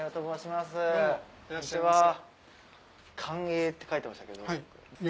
寛永って書いてましたけど。